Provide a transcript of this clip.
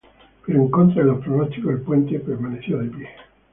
Pero en contra de los pronósticos, el puente permaneció de pie.